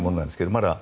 まだ